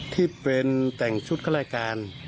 ที่เป็นแต่งชุดข้ารายการ